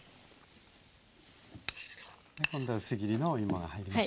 今度は薄切りのおいもが入りました。